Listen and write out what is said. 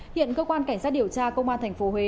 hiện cơ quan cảnh sát điều tra công an thành phố huế